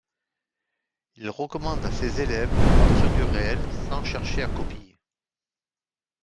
Il recommande à ses élèves de partir du réel sans chercher à copier.